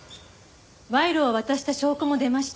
賄賂を渡した証拠も出ました。